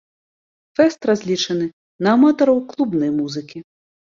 Фэст разлічаны на аматараў клубнай музыкі.